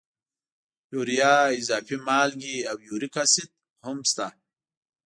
یوریا، اضافي مالګې او یوریک اسید هم شته.